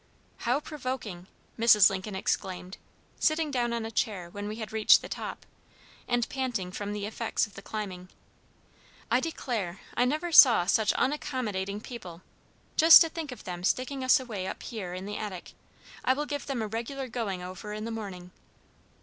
"How provoking!" Mrs. Lincoln exclaimed, sitting down on a chair when we had reached the top, and panting from the effects of the climbing. "I declare, I never saw such unaccommodating people. Just to think of them sticking us away up here in the attic. I will give them a regular going over in the morning."